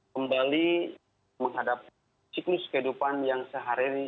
kembali menghadapi siklus kehidupan yang sehari ini